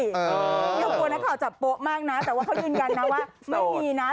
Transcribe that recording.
กลัวนักข่าวจับโป๊ะมากนะแต่ว่าเขายืนยันนะว่าไม่มีนะ